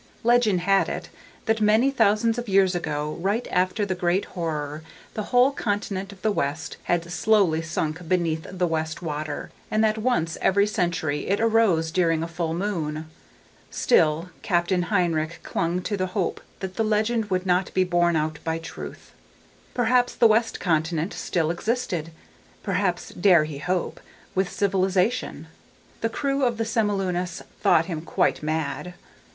_ Legend had it, that many thousands of years ago, right after the Great Horror, the whole continent of the west had slowly sunk beneath the West Water, and that once every century it arose during a full moon. Still, Captain Hinrik clung to the hope that the legend would not be borne out by truth. Perhaps the west continent still existed; perhaps, dare he hope, with civilization. The crew of the Semilunis thought him quite mad.